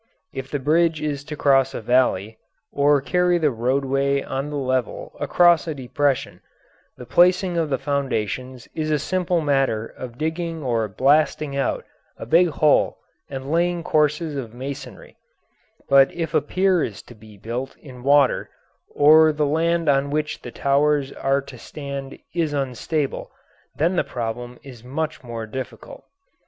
If the bridge is to cross a valley, or carry the roadway on the level across a depression, the placing of the foundations is a simple matter of digging or blasting out a big hole and laying courses of masonry; but if a pier is to be built in water, or the land on which the towers are to stand is unstable, then the problem is much more difficult.